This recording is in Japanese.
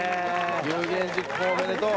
有言実行おめでとう。